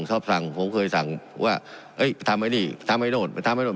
เขาสั่งผมเคยสั่งว่าเอ้ยไปทำไอ้นี่ทำไอ้โน่นไปทำไอ้โน่น